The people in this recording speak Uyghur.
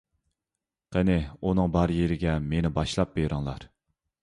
قېنى، ئۇنىڭ بار يېرىگە مېنى باشلاپ بېرىڭلار!